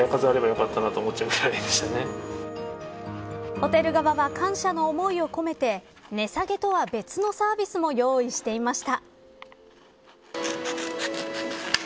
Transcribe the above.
ホテル側は感謝の思いを込めて値下げとは別のサービスも用意していました。